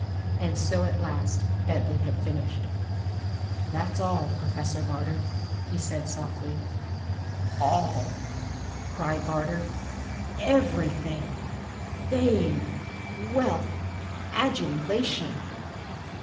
And so at last Bentley had finished. "That's all, Professor Barter!" he said softly. "All!" cried Barter. "Everything! Fame! Wealth! Adulation!